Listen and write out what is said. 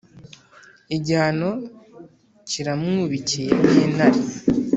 igihano kiramwubikiye nk’intare.